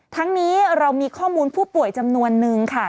ทั้งนี้เรามีข้อมูลผู้ป่วยจำนวนนึงค่ะ